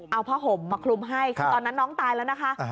เอาผ้าห่มมาคลุมให้คือตอนนั้นน้องตายแล้วนะคะ